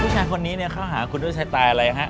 ผู้ชายคนนี้เข้าหาคุณด้วยชะไตล์อะไรฮะ